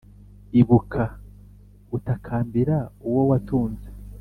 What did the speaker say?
Ibuka utakambira uwo watunze